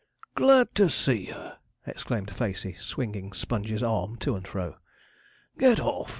'Glad to see ye!' exclaimed Facey, swinging Sponge's arm to and fro. 'Get off!'